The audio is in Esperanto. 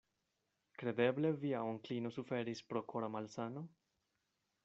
Kredeble via onklino suferis pro kora malsano?